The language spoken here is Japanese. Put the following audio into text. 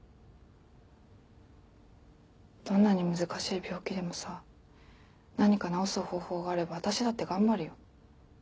どんなに難しい病気でもさ何か治す方法があれば私だって頑張るよ。